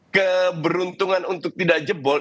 keberuntungan untuk tidak jebol